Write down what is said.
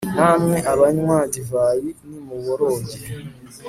namwe abanywa divayi nimuboroge